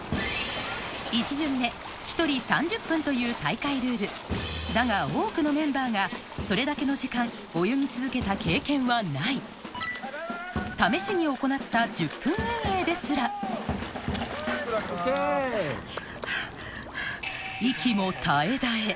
１巡目１人３０分という大会ルールだが多くのメンバーがそれだけの時間泳ぎ続けた経験はない試しに行ったハァハァハァ。